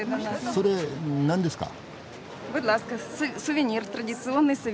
それ何ですか？